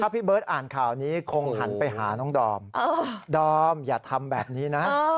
พี่เบิร์ตอ่านข่าวนี้คงหันไปหาน้องดอมดอมอย่าทำแบบนี้นะ